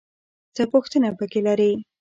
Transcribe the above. څه پوښتنه پکې لرې؟